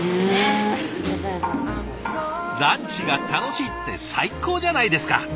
ランチが楽しいって最高じゃないですか！